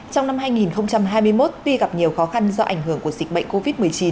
trong năm hai nghìn hai mươi một tuy gặp nhiều khó khăn do ảnh hưởng của dịch bệnh covid một mươi chín